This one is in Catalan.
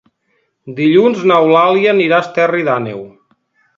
Dilluns n'Eulàlia anirà a Esterri d'Àneu.